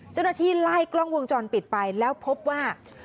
เจ้าหน้าที่ไล่กล้องวงจรปิดไปแล้วพบว่า